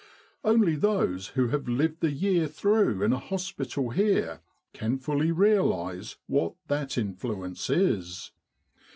Only those who have lived the year through in a hospital here can fully realise what that influence is.